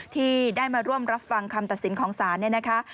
ที่ได้มาร่วมรับฟังคำตัดสินของศาลเนี่ยนะคะ